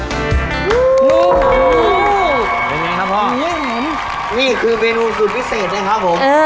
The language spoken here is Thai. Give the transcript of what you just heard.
เป็นยังไงครับพ่อนี่เห็นนี่คือเมนูสูตรพิเศษนะครับผมเออ